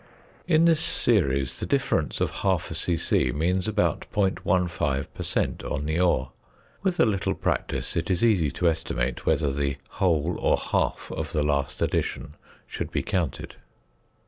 In this series the difference of half a c.c. means about 0.15 per cent. on the ore; with a little practice it is easy to estimate whether the whole or half of the last addition should be counted.